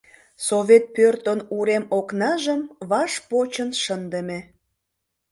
Совет пӧртын урем окнажым ваш почын шындыме.